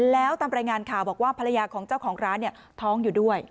แล้วตามรายงานข่าวบอกว่าภรรยาของเจ้าของร้านท้องอยู่ด้วย